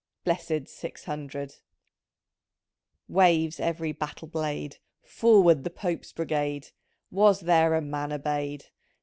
Blessid Six Hundred ! Waves every battle blade, —" Forward the Pope's Brigade !'.' Was there a man obeyed